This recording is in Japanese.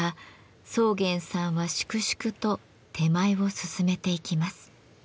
宗玄さんは粛々と手前を進めていきます。